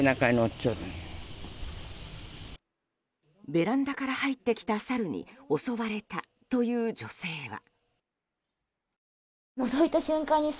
ベランダから入ってきたサルに襲われたという女性は。